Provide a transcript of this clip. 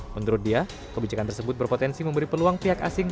menurut dia kebijakan tersebut berpotensi memberi peluang pihak asing